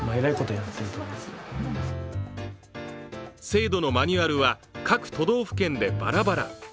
制度のマニュアルは各都道府県でばらばら。